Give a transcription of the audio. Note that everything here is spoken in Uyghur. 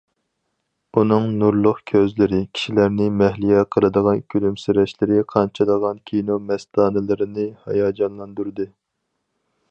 ئۇنىڭ نۇرلۇق كۆزلىرى، كىشىلەرنى مەھلىيا قىلىدىغان كۈلۈمسىرەشلىرى قانچىلىغان كىنو مەستانىلىرىنى ھاياجانلاندۇردى.